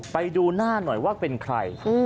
ไปดูหน้าหน่อยว่าเป็นใคร